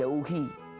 yang harus kita jauhi